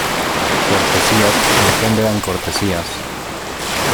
Cortesías engendran cortesías.